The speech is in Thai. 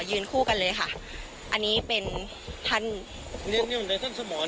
ยืนคู่กันเลยค่ะอันนี้เป็นท่านนี่นี่มันเป็นท่านสมอน